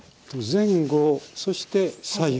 前後そして左右。